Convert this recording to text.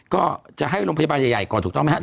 ก็จะให้โรงพยาบาลใหญ่ก่อนถูกต้องไหมครับ